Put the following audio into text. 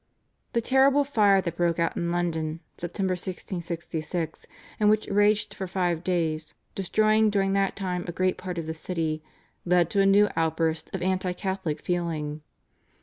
The terrible fire that broke out in London (September 1666) and which raged for five days, destroying during that time a great part of the city, led to a new outburst of anti Catholic feeling.